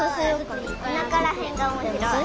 おなからへんがおもしろい。